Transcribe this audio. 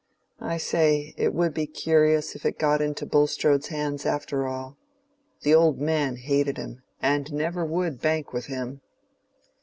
I say, it would be curious if it got into Bulstrode's hands after all. The old man hated him, and never would bank with him."